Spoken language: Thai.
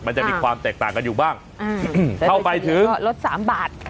มันจะมีความแตกต่างกันอยู่บ้างเข้าไปถึงก็ลดสามบาท